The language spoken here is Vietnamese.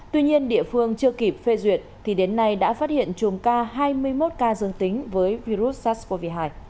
tuy nhiên địa phương chưa kịp phê duyệt thì đến nay đã phát hiện chùm ca hai mươi một ca dương tính với virus sars cov hai